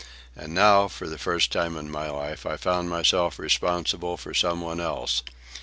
And now, for the first time in my life, I found myself responsible for some one else.